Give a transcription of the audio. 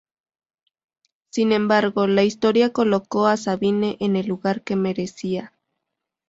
Sin embargo, la historia colocó a Sabine en el lugar que merecía.